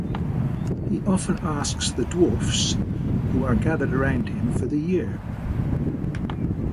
He often asks the dwarfs who are gathered around him for the year.